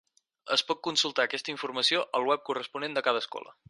Es pot consultar aquesta informació al web corresponent de cada escola.